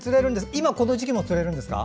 今この時期も釣れるんですか？